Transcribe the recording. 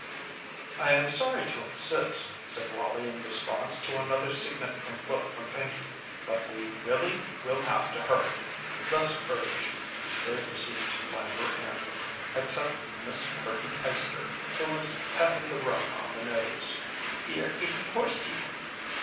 "I am sorry to insist," said Wallie in response to another significant look from Pinkey, "but we really will have to hurry." Thus urged, they proceeded to clamber in, except Miss Gertie Eyester, who was patting the roan on the nose. "Dear 'ittie horsey!"